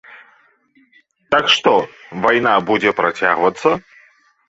Так што, вайна будзе працягвацца.